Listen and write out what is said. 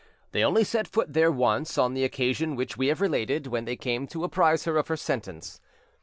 They only set foot there once, on the occasion which we have related, when they came to apprise her of her sentence.